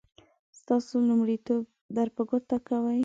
ستاسې لومړيتوبونه در په ګوته کوي.